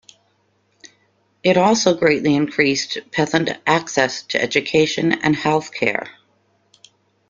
It also greatly increased peasant access to education and health care.